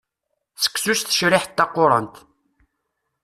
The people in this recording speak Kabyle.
Seksu s tecriḥt taqurant.